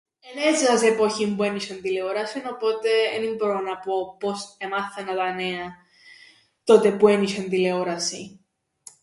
Εν έζησα σε εποχήν που εν είσ̆εν τηλεόρασην οπότε εν ι-μπόρω να πω πώς εμάθαινναν τα νέα τότε που εν είσ̆εν τηλεόρασην.